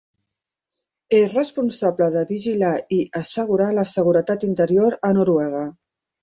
És responsable de vigilar i assegurar la seguretat interior a Noruega.